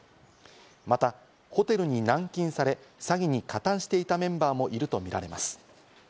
またホテルに軟禁され、詐欺に加担していたメンバーもいるとみられます。